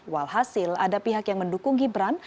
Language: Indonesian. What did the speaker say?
walhasil ada pihak yang mendukung gibran